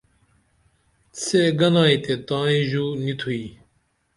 سے گنائی تے تائیں ژو نی تھوئی